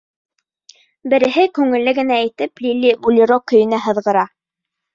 Береһе күңелле генә итеп «Лиллибулеро» көйөнә һыҙғыра.